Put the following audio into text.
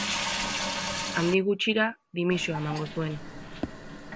Handik gutxira dimisioa emango zuen.